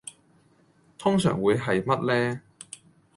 通常會係乜呢